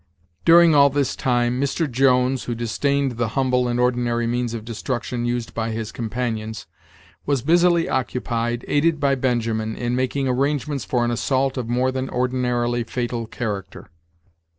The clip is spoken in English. During all this time Mr. Jones, who disdained the humble and ordinary means of destruction used by his companions, was busily occupied, aided by Benjamin, in making arrangements for an assault of more than ordinarily fatal character.